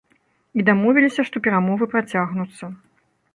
І дамовіліся, што перамовы працягнуцца.